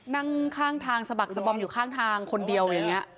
นั่งข้างทางสะบักสะบอมอยู่ข้างทางคนเดียวอย่างนี้